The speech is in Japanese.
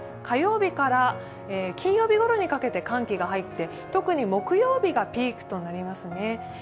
火曜日から金曜日ごろにかけて寒気が入って特に木曜日がピークとなりますね。